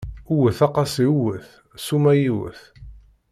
Wwet a qasi wwet, ssuma yiwet!